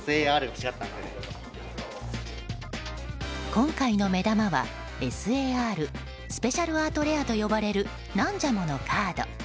今回の目玉は、ＳＡＲスペシャルアートレアと呼ばれるナンジャモのカード。